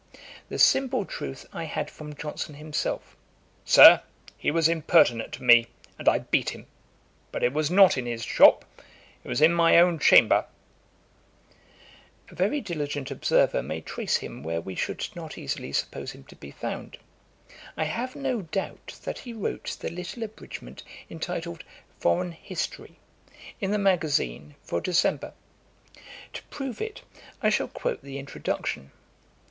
The simple truth I had from Johnson himself. 'Sir, he was impertinent to me, and I beat him. But it was not in his shop: it was in my own chamber.' [Page 155: A projected parliamentary history. Ætat 33.] A very diligent observer may trace him where we should not easily suppose him to be found. I have no doubt that he wrote the little abridgement entitled 'Foreign History,' in the Magazine for December. To prove it, I shall quote the Introduction.